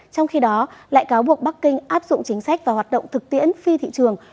trong khi đó lại cáo buộc bắc kinh áp dụng chính sách và hoạt động thực tiễn phi thị trường